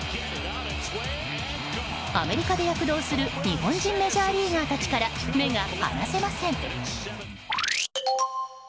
アメリカで躍動する日本人メジャーリーガーたちから目が離せません。